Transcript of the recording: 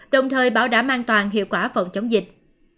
đồng thời bảo đảm an toàn hiệu quả phòng chống dịch